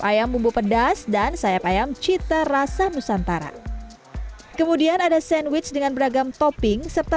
ayam bumbu pedas dan sayap ayam cita rasa nusantara kemudian ada sandwich dengan beragam topping serta